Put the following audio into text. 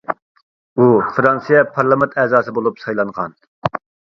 ئۇ فىرانسىيە پارلامېنت ئەزاسى بولۇپ سايلانغان.